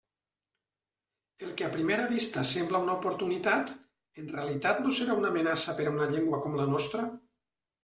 El que a primera vista sembla una oportunitat, en realitat no serà una amenaça per una llengua com la nostra?